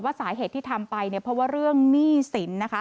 สาเหตุที่ทำไปเนี่ยเพราะว่าเรื่องหนี้สินนะคะ